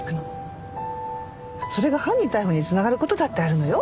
それが犯人逮捕に繋がる事だってあるのよ。